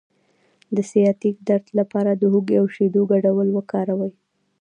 د سیاتیک درد لپاره د هوږې او شیدو ګډول وکاروئ